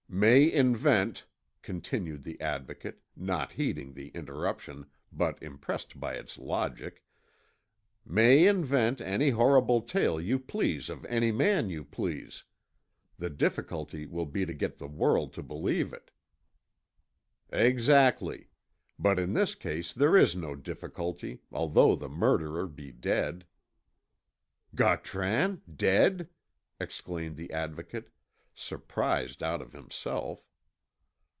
" May invent," continued the Advocate, not heeding the interruption, but impressed by its logic, "may invent any horrible tale you please of any man you please. The difficulty will be to get the world to believe it." "Exactly. But in this case there is no difficulty, although the murderer be dead." "Gautran! Dead!" exclaimed the Advocate, surprised out of himself.